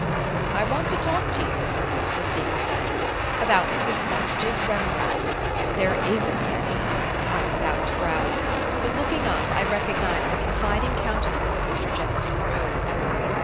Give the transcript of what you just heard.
"I want to talk to you," the speaker said, "about Mrs. Fontage's Rembrandt." "There isn't any," I was about to growl; but looking up I recognized the confiding countenance of Mr. Jefferson Rose.